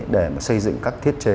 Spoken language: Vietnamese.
để xây dựng các thiết chế